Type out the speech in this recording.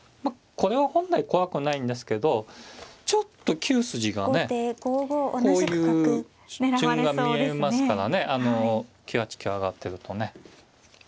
まあこれは本来怖くないんですけどちょっと９筋がねこういう順が見えますからね９八香上がってるとね。